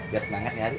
biar semangat nih hari